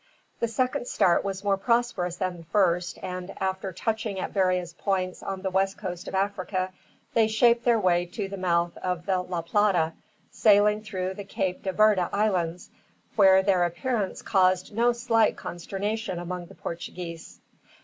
The second start was more prosperous than the first and, after touching at various points on the west coast of Africa, they shaped their way to the mouth of the La Plata, sailing through the Cape de Verde Islands, where their appearance caused no slight consternation among the Portuguese.